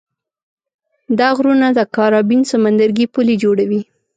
دا غرونه د کارابین سمندرګي پولې جوړوي.